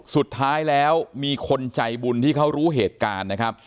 สุดท้ายแล้วมีคนใจบุญที่เขารู้เหตุการณ์นะครับ